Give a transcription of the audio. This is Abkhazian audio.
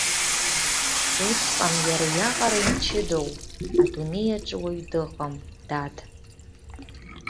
Усҟан иара иаҟара имчыдоу адунеи аҿы уаҩ дыҟам, дад!